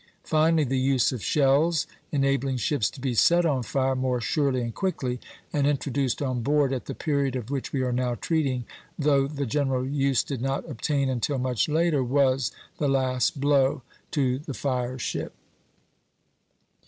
Finally the use of shells, enabling ships to be set on fire more surely and quickly, and introduced on board at the period of which we are now treating, though the general use did not obtain until much later, was the last blow to the fire ship."